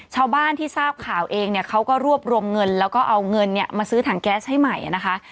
ชาวบ้านที่ทราบข่าวเองเนี่ยเขาก็รวบรวมเงินแล้วก็เอาเงินเนี่ยมาซื้อถังแก๊สให้ใหม่นะคะ